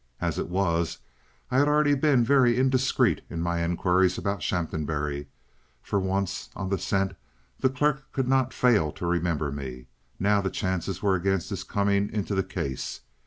As it was, I had already been very indiscreet in my inquiries about Shaphambury; for once on the scent the clerk could not fail to remember me. Now the chances were against his coming into the case.